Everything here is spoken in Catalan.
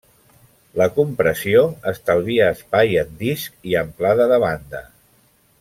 La compressió estalvia espai en disc i amplada de banda.